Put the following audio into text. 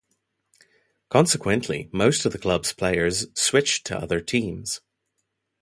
Consequently, most of the club's players switched to other teams.